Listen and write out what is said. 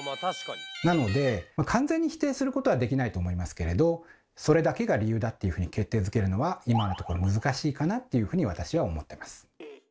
なので完全に否定することはできないと思いますけれどそれだけが理由だっていうふうに決定づけるのは今のところ難しいかなっていうふうに私は思ってます。